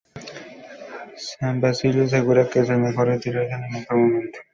San Basilio asegura que es mejor retirarse en el mejor momento.